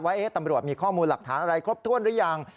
ว่าตำรวจมีข้อมูลหลักฐานอะไรครบถ้วนหรือยัง